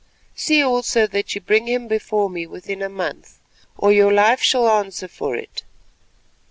See also that you bring him before me within a month, or your life shall answer for it.